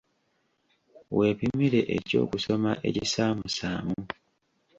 Weepimire eky'okusoma ekisaamusaamu.